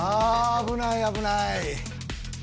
危ない、危ない。